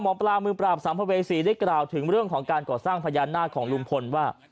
หมอปลามือปราบสัมภเวษีได้กล่าวถึงเรื่องของการก่อสร้างพญานาคของลุงพลว่า